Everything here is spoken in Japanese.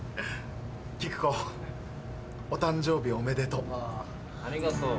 キクコお誕生日おめでとう。